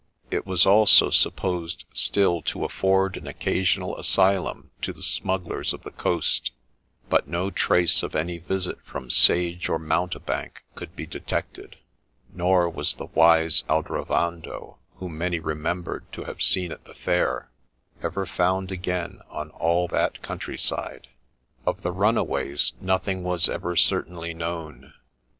It was also supposed still to afford an occasional asylum to the smugglers of the coast, but no trace of any visit from sage or mountebank could be detected ; nor was the wise Aldrovando, whom many remembered to have seen at the fair, ever found again on all that country side. Of the runaways nothing was ever certainly known.